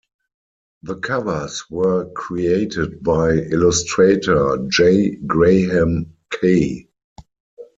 The covers were created by illustrator J. Graham Kaye.